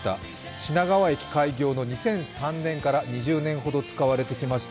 品川駅開業の２００３年から２０年ほど使われてきました